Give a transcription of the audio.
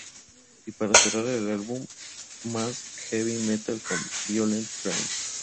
Y para cerrar el álbum; más heavy metal con Violent Crimes.